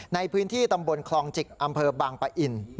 ในพื้นที่ตำบลคลองจิกอำเภอบางปะอิน